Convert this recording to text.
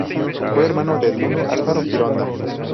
Fue hermano de Edmundo Alfaro Gironda.